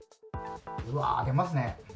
うわぁ、出ますね。